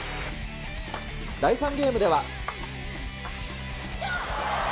第３ゲームでは。